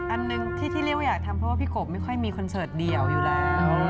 อันหนึ่งที่เรียกว่าอยากทำเพราะว่าพี่กบไม่ค่อยมีคอนเสิร์ตเดียวอยู่แล้ว